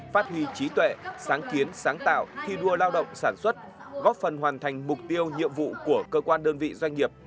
phát huy trí tuệ sáng kiến sáng tạo thi đua lao động sản xuất góp phần hoàn thành mục tiêu nhiệm vụ của cơ quan đơn vị doanh nghiệp